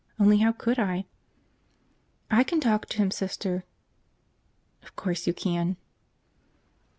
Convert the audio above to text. Only how could I?" "I can talk to him, Sister." "Of course you can."